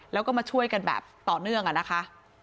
แล้วก็มาช่วยกันแบบต่อเนื่องอะนะคะ